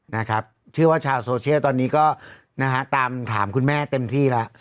นะครับเชื่อว่าชาวโซเชียลตอนนี้ก็นะฮะตามถามคุณแม่เต็มที่แล้ว